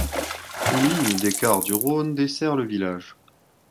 Une ligne des cars du Rhône dessert le village.